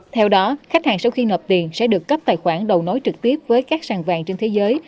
theo đó khách hàng sau khi nộp tiền sẽ được cấp tài khoản đầu nối trực tiếp với các sàn vàng trên thế giới